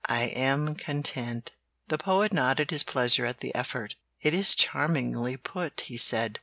I am content." The Poet nodded his pleasure at the effort. "It is charmingly put," he said.